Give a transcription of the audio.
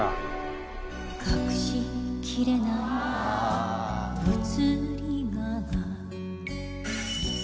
「隠しきれない移り香が」